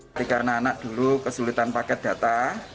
ketika anak anak dulu kesulitan paket data